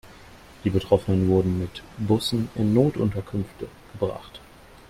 Die Betroffenen wurden mit Bussen in Notunterkünfte gebracht.